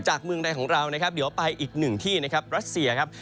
เมืองใดของเรานะครับเดี๋ยวไปอีกหนึ่งที่นะครับรัสเซียครับ